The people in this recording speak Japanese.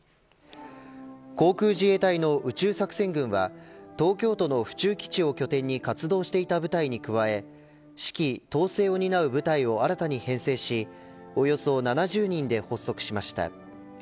航空自衛隊の宇宙作戦群は東京都の府中基地を拠点に活動していた部隊に加え指揮、統制を担う部隊を新たに編成しおよそ７０人で発足しました。